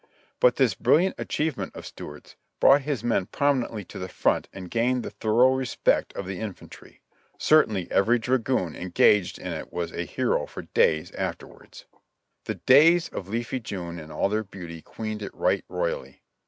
But this brilliant achieve ment of Stuart's brought his men prominently to the front and gained the thorough respect of the infantry. Certainly every dragoon engaged in it was a hero for days afterwards. The days of leafy June in all her beauty queened it right roy ally.